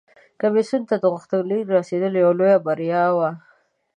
کمیسیون ته د غوښتنلیک رسیدل یوه لویه بریا وه